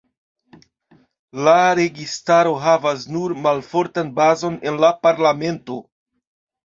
La registaro havas nur malfortan bazon en la parlamento.